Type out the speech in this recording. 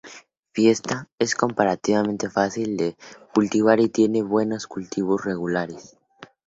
Fiesta es comparativamente fácil de cultivar y tiene buenos cultivos regulares.